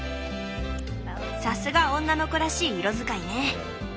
さすが女の子らしい色使いね。